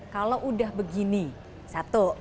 kalau udah begini satu